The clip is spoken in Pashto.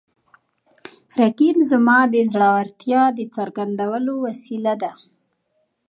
رقیب زما د زړورتیا د څرګندولو وسیله ده